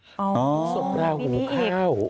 พระราหูเข้า